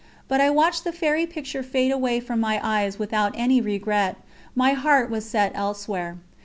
But I watched the fairy picture fade away from my eyes without any regret my heart was set elsewhere.